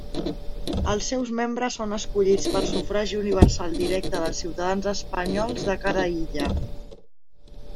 Els seus membres són escollits per sufragi universal directe dels ciutadans espanyols de cada illa.